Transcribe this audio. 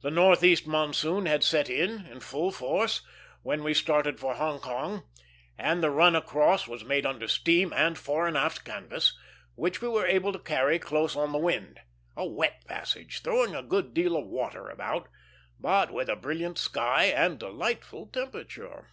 The northeast monsoon had set in in full force when we started for Hong Kong, and the run across was made under steam and fore and aft canvas, which we were able to carry close on the wind; a wet passage, throwing a good deal of water about, but with a brilliant sky and delightful temperature.